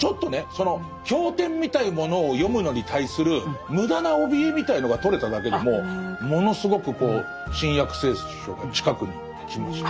その教典みたいなものを読むのに対する無駄なおびえみたいなのが取れただけでもものすごく「新約聖書」が近くに来ました。